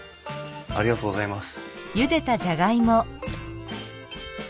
ありがとうございます。